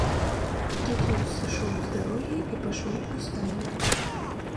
Тут ён сышоў з дарогі і пайшоў кустамі.